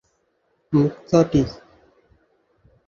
মুক্তা, টি।